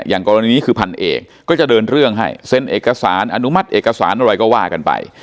อย่างกรณีนี้คือพันเอกก็จะเดินเรื่องให้เซ็นเอกสารอนุมัติเอกสารอะไรก็ว่ากันไป